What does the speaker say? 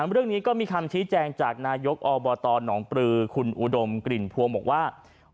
เรื่องนี้ก็มีคำชี้แจงจากนายกอบตหนองปลือคุณอุดมกลิ่นพวงบอกว่า